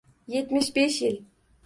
Yetmish besh yil